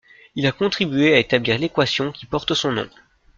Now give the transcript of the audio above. Il a contribué à établir l'équation qui porte son nom.